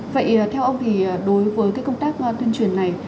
vậy theo ông thì đối với công tác tuyên truyền này